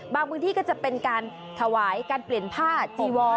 พื้นที่ก็จะเป็นการถวายการเปลี่ยนผ้าจีวอ